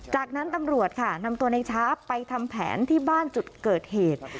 จากนั้นตำรวจค่ะนำตัวในช้าไปทำแผนที่บ้านจุดเกิดเหตุ